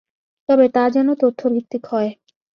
তবে তা যেন তথ্যভিত্তিক হয়।